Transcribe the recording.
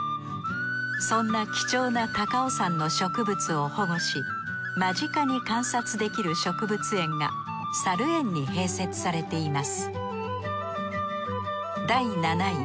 そんな貴重な高尾山の植物を保護し間近に観察できる植物園がさる園に併設されています